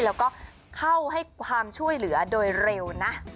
แล้วก็เข้าให้ความช่วยเหลือโดยเร็วนะ